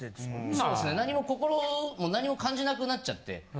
そうですね何も心も何も感じなくなっちゃって。